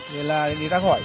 thế là người ta hỏi